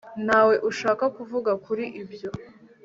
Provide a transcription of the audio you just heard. Ntawe ushaka kuvuga kuri ibyo